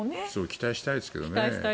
期待したいですけどね。